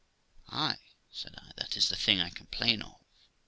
' Ay ', said 1, ' that is the thing I complain of.